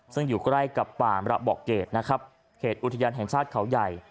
ซึ่งอยู่ใกล้กับป่ามระบอกเกรดนะครับเขตอุทยานแห่งชาติเขาใหญ่